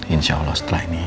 insya allah setelah ini